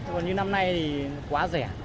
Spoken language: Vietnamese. còn như năm nay thì quá rẻ